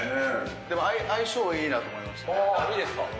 でも相性いいなと思いましたいいですか。